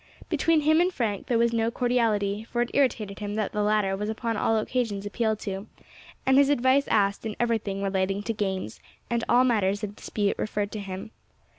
Between him and Frank there was no cordiality, for it irritated him that the latter was upon all occasions appealed to, and his advice asked in everything relating to games, and all matters of dispute referred to him.